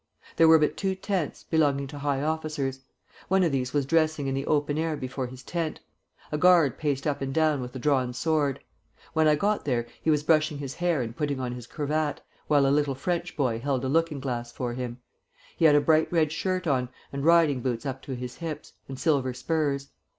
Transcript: There were but two tents, belonging to high officers. One of these was dressing in the open air before his tent. A guard paced up and down with a drawn sword. When I got there, he was brushing his hair and putting on his cravat, while a little French boy held a looking glass for him. He had a bright red shirt on, and riding boots up to his hips, and silver spurs.